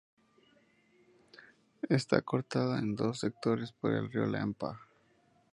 Está cortada en dos sectores por el río Lempa.